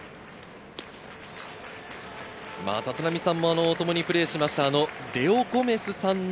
立浪さんも共にプレーしたレオ・ゴメスさんの